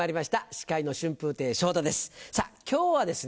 司会の春風亭昇太です